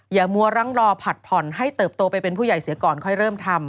อย่ามัวรั้งรอผัดผ่อนให้เติบโตไปเป็นผู้ใหญ่เสียกร